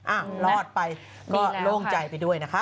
อ่ะรอดไปก็โล่งใจไปด้วยนะคะ